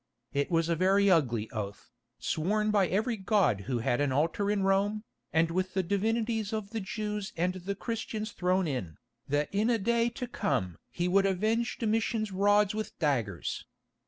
It was a very ugly oath, sworn by every god who had an altar in Rome, with the divinities of the Jews and the Christians thrown in, that in a day to come he would avenge Domitian's rods with daggers.